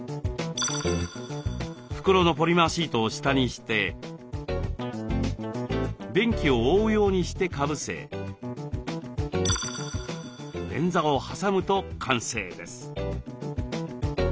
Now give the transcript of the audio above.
袋のポリマーシートを下にして便器を覆うようにしてかぶせ便座をはさむと完成です。